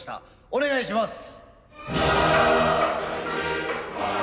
お願いします。